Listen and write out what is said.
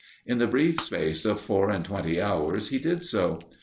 In the brief space of four and twenty hours he did so.